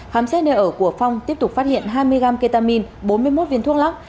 khám xét nơi ở của phong tiếp tục phát hiện hai mươi gram ketamin bốn mươi một viên thuốc lắc